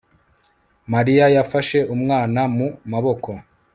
Mariya yafashe umwana mu maboko